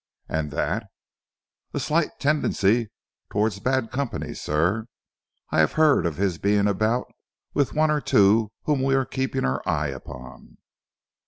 "And that?" "A slight tendency towards bad company, sir. I have heard of his being about with one or two whom we are keeping our eye upon."